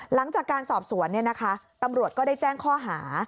หลังจากการสอบสวนตำรวจก็ได้แจ้งข้อหา